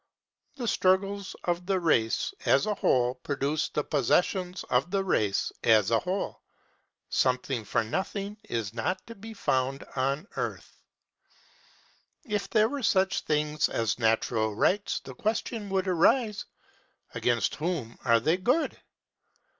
The struggles of the race as a whole produce the possessions of the race as a whole. Something for nothing is not to be found on earth. If there were such things as natural rights, the question would arise, Against whom are they good?